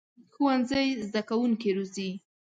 ښوونځی زده کوونکي روزي